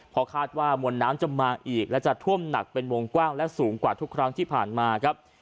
เพราะคาดว่ามวลน้ำจะมาอีกและจะท่วมหนักเป็นวงกว้างและสูงกว่าทุกครั้งที่ผ่านมาครับ